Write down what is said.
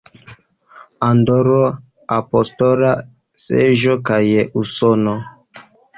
Andoro, Apostola Seĝo kaj Usono.